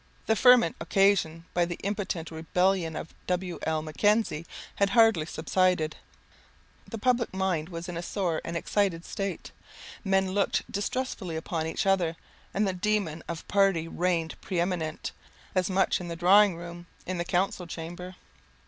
The ferment occasioned by the impotent rebellion of W.L. Mackenzie had hardly subsided. The public mind was in a sore and excited state. Men looked distrustfully upon each other, and the demon of party reigned preeminent, as much in the drawing room in the council chamber.